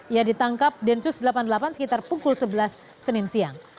ia ditangkap densus delapan puluh delapan sekitar pukul sebelas senin siang